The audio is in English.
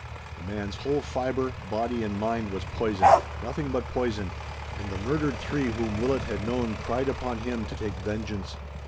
The man's whole fiber, body and mind, was poison, nothing but poison, and the murdered three whom Willet had known cried upon him to take vengeance.